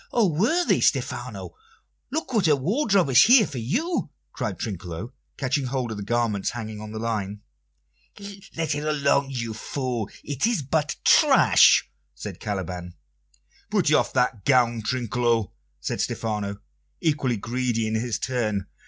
O worthy Stephano! Look what a wardrobe is here for you!" cried Trinculo, catching hold of the garments hanging on the line. "Let it alone, you fool; it is but trash!" said Caliban. "Put off that gown, Trinculo," said Stephano, equally greedy in his turn.